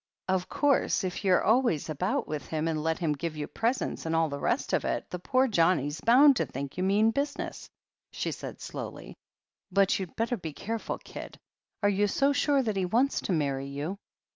"Of course, if you're always about with him and let him give you presents and all the rest of it, the poor Johnnie's bound to think you mean business," she said slowly. "But you'd better be careful, kid. Are you so sure that he wants to marry you?"